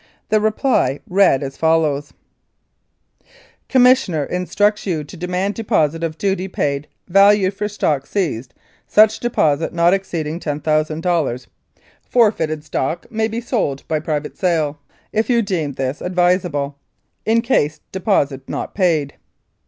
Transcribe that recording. The reply read as follows : "Commissioner instructs you to demand deposit of duty paid value for stock seized, such deposit not exceeding $10,000. Forfeited stock may be sold by private sale, if you deem this advisable, in case deposit not paid."